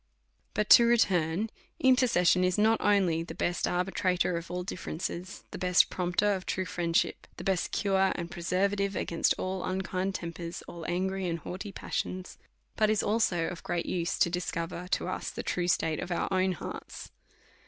But to return : Intercession is not only the best ar bitrator of all differences, the best promoter of true friendship, the best cure and preservative against all unkind tempers, all angry and haughty passions, but is also of great use to discover to us the true state of our own hearts.